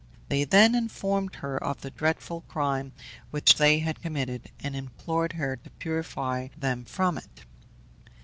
They then informed her of the dreadful crime which they had committed, and implored her to purify them from it.